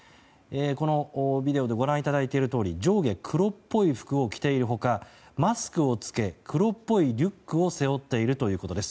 このビデオでご覧いただいているように上下黒っぽい服を着ている他マスクを着け黒っぽいリュックを背負っているということです。